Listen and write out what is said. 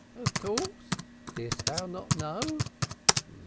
"Of course. Didst thou not know?"